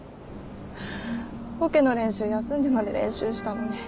オケの練習休んでまで練習したのに。